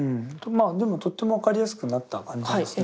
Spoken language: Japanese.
まあでもとっても分かりやすくなった感じですね。